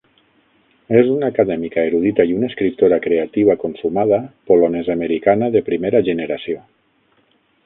És una acadèmica erudita i una escriptora creativa consumada polonesa-americana de primera generació.